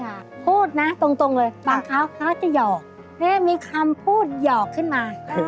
ใช่ค่ะพูดนะตรงเลยบางเขาจะหยอกมีคำพูดหยอกขึ้นมา